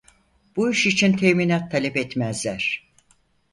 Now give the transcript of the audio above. Bu iş için teminat talep etmezler.